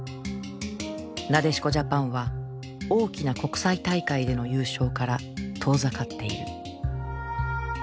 なでしこジャパンは大きな国際大会での優勝から遠ざかっている。